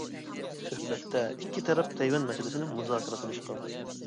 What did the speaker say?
سۆھبەتتە ئىككى تەرەپ تەيۋەن مەسىلىسىنى مۇزاكىرە قىلىشقان.